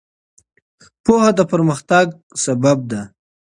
پوهه د پرمختګ لامل ده.